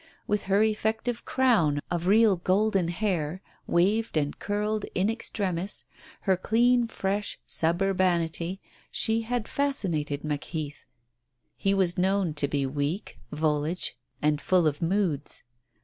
With her effective crown of real golden hair, waved and curled in extremis, her clean, fresh suburbanity, she had fascinated "Macheath." He was known to be weak, volage, and full of moods.